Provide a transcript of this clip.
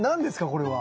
これは。